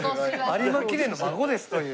「有馬記念の孫です」という。